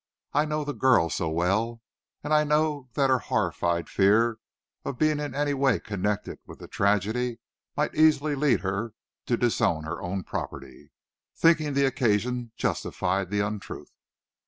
"I know the girl so well, and I know that her horrified fear of being in any way connected with the tragedy might easily lead her to, disown her own property, thinking the occasion justified the untruth.